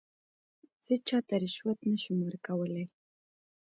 زه چاته رشوت نه شم ورکولای.